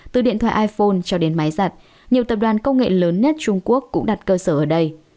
từ điện thoại iphone cho đến máy giặt nhiều tập đoàn công nghệ lớn nhất trung quốc cũng đặt cơ sở ở đây